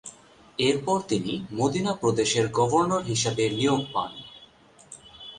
এরপর তিনি মদিনা প্রদেশের গভর্নর হিসেবে নিয়োগ পান।